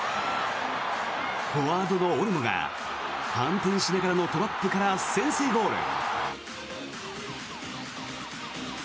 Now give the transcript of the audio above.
フォワードのオルモが反転しながらのトラップから先制ゴール。